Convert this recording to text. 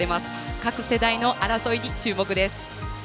各世代の争いに注目です。